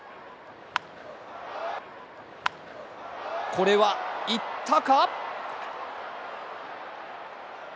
これは、いったか？